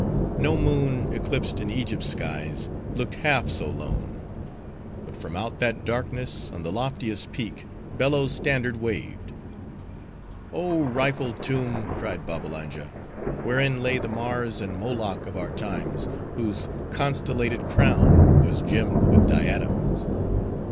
No moon, eclipsed in Egypt's skies, looked half so lone. But from out that darkness, on the loftiest peak, Bello's standard waved. "Oh rifled tomb!" cried Babbalanja. "Wherein lay the Mars and Moloch of our times, whose constellated crown, was gemmed with diadems.